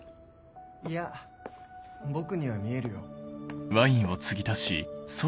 いや僕には見えるよ。